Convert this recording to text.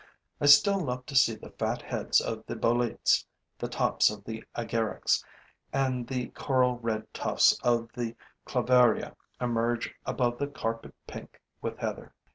I still love to see the fat heads of the boletes, the tops of the agarics and the coral red tufts of the clavaria emerge above the carpet pink with heather.